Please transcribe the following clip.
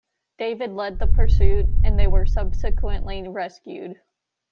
David led the pursuit and they were subsequently rescued.